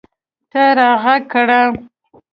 ته راږغ کړه !